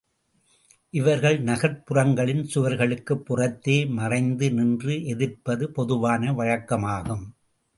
இவர்கள் நகர்ப் புறங்களின் சுவர்களுக்குப் புறத்தே மறைந்து நின்று எதிர்ப்பது பொதுவான வழக்கமாகும்.